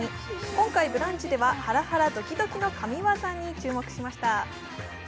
今回、「ブランチ」ではハラハラドキドキの神業にチャレンジしました。